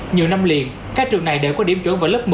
nhiều năm liền các trường này đều có điểm chuẩn vào lớp một mươi